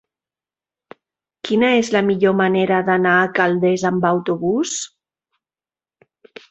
Quina és la millor manera d'anar a Calders amb autobús?